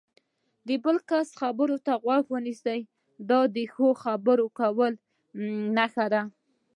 د بل کس خبرو ته غوږ ونیسئ، دا د ښه خبرو کولو نښه ده.